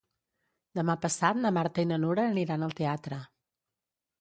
Demà passat na Marta i na Nura aniran al teatre.